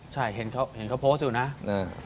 ใช่เห็นเขาโพสต์อยู่นะ